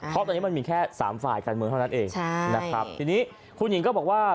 เพราะตอนนี้มันมีแค่สามฝ่ายการเมืองเท่านั้นเองใช่นะครับทีนี้คุณหญิงก็บอกว่า